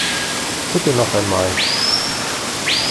Bitte noch einmal!